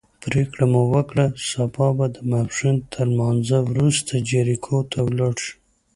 پرېکړه مو وکړه سبا به د ماسپښین تر لمانځه وروسته جریکو ته ولاړ شو.